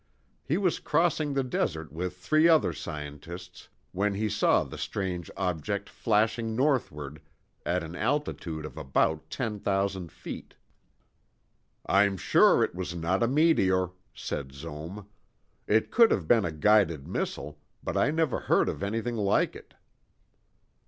He was crossing the desert with three other scientists when he saw the strange object flashing northward at an altitude of about ten thousand feet. "I'm sure it was not a meteor," said Zohm. "It could have been a guided missile, but I never heard of anything like it."